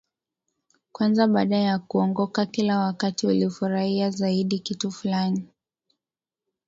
kwanza baada ya kuongoka Kila wakati ulifurahia zaidi kitu fulani